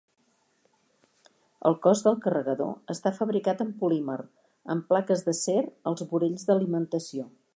El cos del carregador està fabricat amb polímer, amb plaques d'acer als vorells d'alimentació.